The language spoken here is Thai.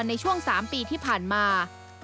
ในช่วง๓ปีที่ผ่านมา